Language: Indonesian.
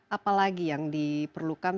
apa lagi yang diperlukan